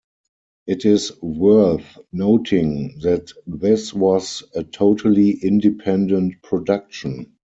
It is worth noting that this was a totally independent production.